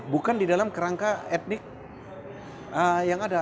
bukan di dalam kerangka etnik yang ada